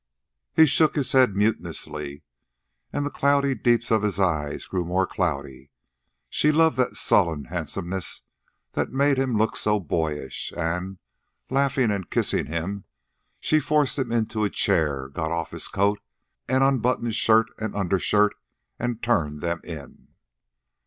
He shook his head mutinously, and the cloudy deeps of his eyes grew more cloudy. She loved that sullen handsomeness that made him look so boyish, and, laughing and kissing him, she forced him into a chair, got off his coat, and unbuttoned shirt and undershirt and turned them in.